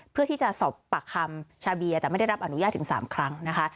เพื่อที่จะสอบปากคำชาเบียแต่ไม่ได้รับอนุญาตถึง๓ครั้งนะคะ